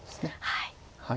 はい。